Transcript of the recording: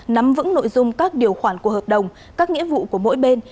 nắm vững nội dung các điều khoản của hợp đồng các nghĩa vụ của mỗi bên